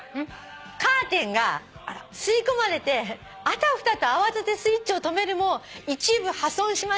「カーテンが吸い込まれてあたふたと慌ててスイッチを止めるも一部破損しました」